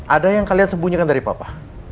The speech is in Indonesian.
ada yang kalian sembunyikan dari papa